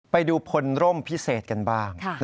ไปดูพลร่มพิเศษกันบ้าง